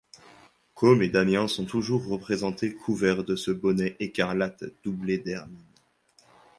Côme et Damien sont toujours représentés couverts de ce bonnet écarlate doublé d'hermine.